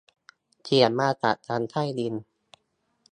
เสียงมาจากชั้นใต้ดิน